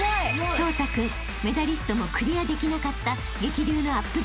［彰太君メダリストもクリアできなかった激流のアップ